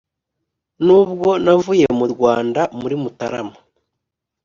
nubwo navuye mu rwanda muri mutarama